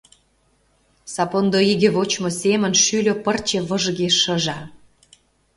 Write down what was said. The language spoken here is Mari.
Сапондо иге вочмо семын шӱльӧ пырче выжге шыжа.